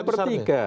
dua per tiga